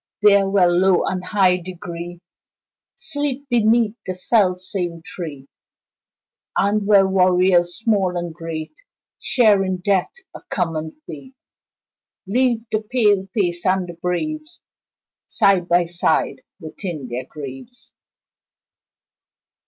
There, where low and high degree Sleep beneath the self same tree, And where warriors small and great, Share in death a common fate, Leave the pale face and the braves Side by side within their graves.